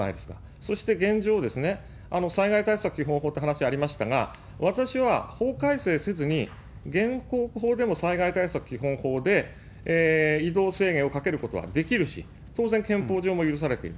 そして現状、災害対策基本法って話ありましたが、私は法改正せずに、現行法でも災害対策基本法で移動制限をかけることはできるし、当然憲法上も許されている。